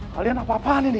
kalian apa dua an ini